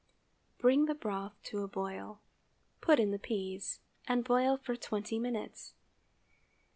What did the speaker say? Bring the broth to a boil; put in the peas, and boil for twenty minutes.